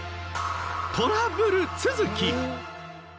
トラブル続き。